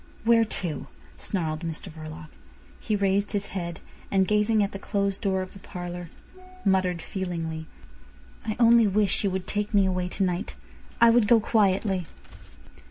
"Where to?" snarled Mr Verloc. He raised his head, and gazing at the closed door of the parlour, muttered feelingly: "I only wish you would take me away to night. I would go quietly."